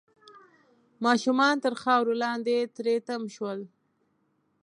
ماشومان تر خاورو لاندې تري تم شول